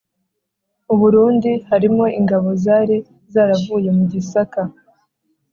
u Burundi harimo ingabo zari zaravuye mu Gisaka